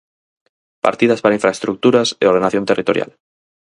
Partidas para infraestruturas e ordenación territorial.